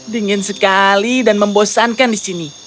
dingin sekali dan membosankan di sini